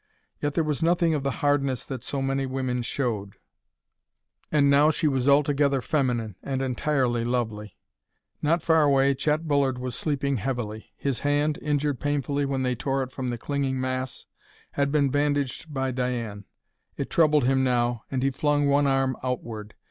Yet there was nothing of the hardness that so many women showed. And now she was altogether feminine, and entirely lovely. Not far away, Chet Bullard was sleeping heavily. His hand, injured painfully when they tore it from the clinging mass, had been bandaged by Diane. It troubled him now, and he flung one arm outward.